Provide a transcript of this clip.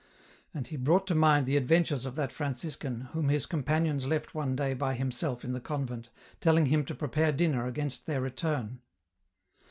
And he brought to mind the adventures of that Fran ciscan whom his companions left one day by himself in the convent, telling him to prepare dinner against their return.